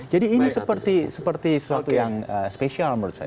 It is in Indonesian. jadi ini seperti suatu yang spesial menurut saya